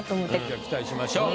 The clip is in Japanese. じゃあ期待しましょう。